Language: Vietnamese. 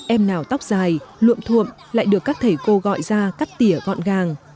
em nào tóc dài luộm thuộm lại được các thầy cô gọi ra cắt tỉa gọn gàng